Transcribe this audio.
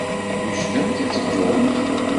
Twejdemt ad teddumt?